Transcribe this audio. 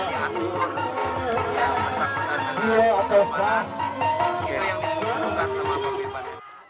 ya yang dikutukan sama pagi pagi